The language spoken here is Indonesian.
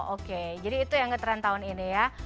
oke jadi itu yang ngetrend tahun ini ya